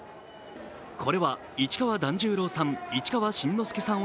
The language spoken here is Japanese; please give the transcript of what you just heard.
これは市川團十郎さん、市川新之助さん